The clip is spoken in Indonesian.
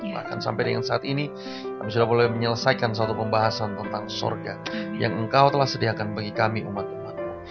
bahkan sampai dengan saat ini kami sudah boleh menyelesaikan satu pembahasan tentang sorga yang engkau telah sediakan bagi kami umat umat